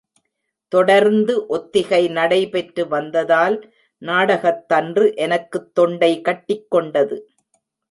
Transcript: தொடர்ந்து ஒத்திகை நடைபெற்று வந்ததால் நாடகத்தன்று எனக்குத் தொண்டை கட்டிக்கொண்டது.